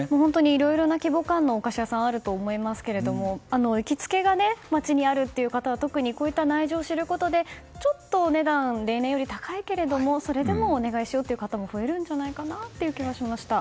いろいろな規模感のお菓子屋さんがあると思いますが行きつけが街にあるという方は特にこういった内情を知ることでちょっとお値段は例年よりも高いけれどもそれでもお願いしようという方も増えるんじゃないかなと思いました。